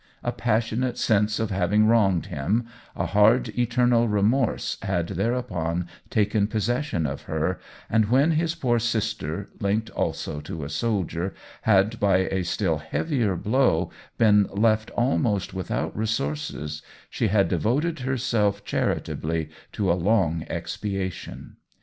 A passionate sense of having wronged him, a hard eternal remorse had thereupon taken possession of her, and when his poor sister, linked also to a soldier, had by a still heavier blow been left almost without resources, she had devoted herself OWEN WINGRAVE 163 charitably to a long expiation.